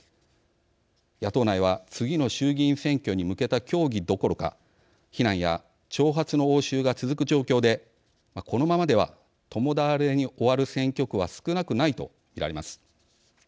野党内は次の衆議院選挙に向けた協議どころか非難や挑発の応酬が続く状況でこのままでは共倒れに終わる選挙区は少なくないと見られます。